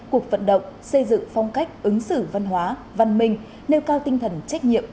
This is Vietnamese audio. cuộc vận động xây dựng phong cách ứng xử văn hóa văn minh nêu cao tinh thần trách nhiệm